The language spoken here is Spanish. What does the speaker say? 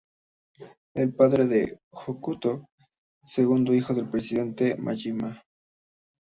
Es el padre de Hokuto, segundo hijo del presidente Mamiya.